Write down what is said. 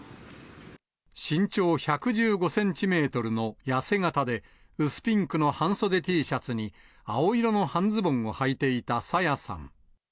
身長１１５センチメートルの痩せ形で、薄ピンクの半袖Ｔシャツに、青色の半ズボンをはいていた朝芽さん。